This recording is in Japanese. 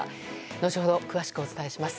後ほど、詳しくお伝えします。